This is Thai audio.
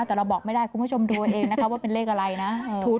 แต่เราบอกไม่ได้คุณผู้ชมดูตัวเองนะคะเพราะมีคำถูกว่าเป็นเลขอะไรนะ